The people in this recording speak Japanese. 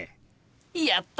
やった！